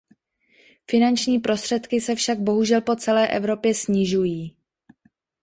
Finanční prostředky se však bohužel po celé Evropě snižují.